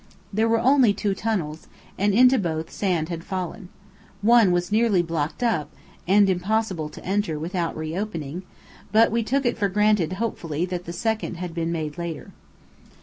There were only two tunnels, and into both sand had fallen. One was nearly blocked up, and impossible to enter without reopening; but we took it for granted hopefully that the second had been made later.